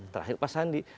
terakhir pak sandi